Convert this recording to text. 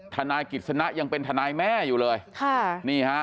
ทนายกิจสนะยังเป็นทนายแม่อยู่เลยค่ะนี่ฮะ